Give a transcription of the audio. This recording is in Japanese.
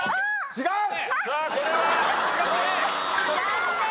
「違う！」。